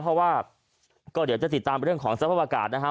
เพราะว่าก็เดี๋ยวจะติดตามไปเรื่องของทรัพย์อากาศนะครับ